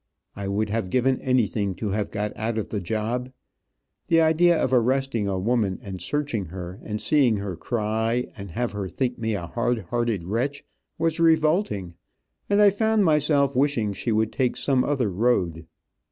I would have given anything to have got out of the job. The idea of arresting a woman and searching her, and seeing her cry, and have her think me a hard hearted wretch, was revolting, and I found myself wishing she would take some other road.